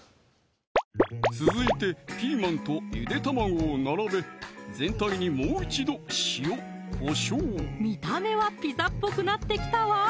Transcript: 続いてピーマンとゆで卵を並べ全体にもう一度塩・こしょう見た目はピザっぽくなってきたわ！